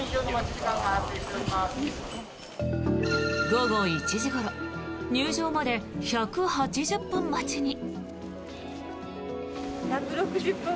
午後１時ごろ入場まで１８０分待ちに。